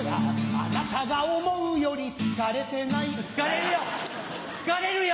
あなたが思うより疲れてない疲れるよ！